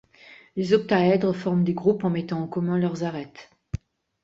Les octaèdres forment des groupes en mettant en commun leurs arêtes.